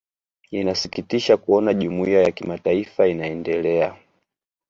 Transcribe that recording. inasikitisha kuona jumuiya ya kimataifa inaendelea